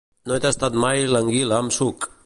No he tastat mai l'anguila amb suc